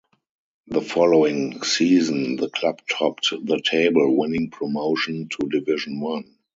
The following season the club topped the table, winning promotion to Division One.